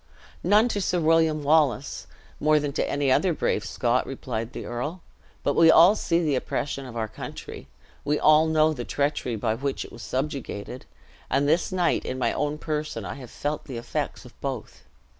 "None to Sir William Wallace, more than to any other brave Scot," replied the earl: "but we all see the oppression of our country; we all know the treachery by which it was subjugated; and this night, in my own person, I have felt the effects of both.